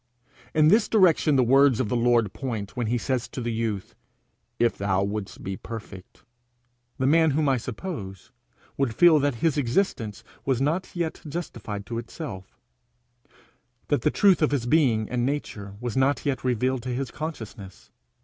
In this direction the words of the Lord point, when he says to the youth, 'If thou wouldst be perfect.' The man whom I suppose, would feel that his existence was not yet justified to itself, that the truth of his being and nature was not yet revealed to his consciousness.